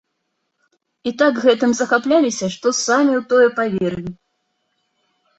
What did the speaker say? І так гэтым захапляліся, што самі ў тое паверылі.